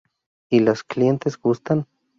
Y las clientes gustan.